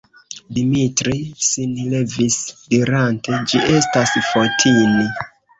Dimitri sin levis dirante: «Ĝi estas Fotini! »